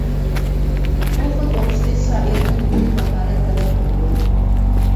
بۇ خىل ئوخشىتىش شائىردىن يۇقىرى ماھارەت تەلەپ قىلىدۇ.